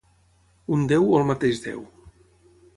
Un déu o el mateix Déu?